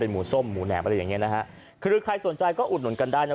หมูส้มหมูแหนมอะไรอย่างเงี้นะฮะคือใครสนใจก็อุดหนุนกันได้นะ